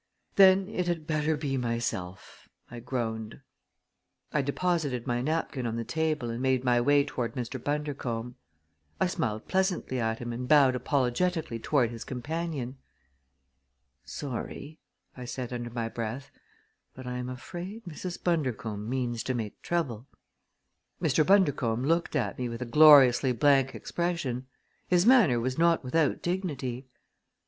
"Then it had better be myself," I groaned. I deposited my napkin on the table and made my way toward Mr. Bundercombe. I smiled pleasantly at him and bowed apologetically toward his companion. "Sorry," I said under my breath, "but I am afraid Mrs. Bundercombe means to make trouble!" Mr. Bundercombe looked at me with a gloriously blank expression. His manner was not without dignity.